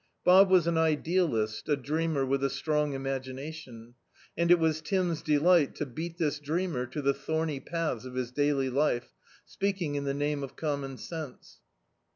Bob D,i.,.db, Google The Farmhouse was an idealist, a dreamer with a strong imagination ; and it was Tim's delight to beat this dreamer to the thorny paths of his daily life, speaking in the name of common sense.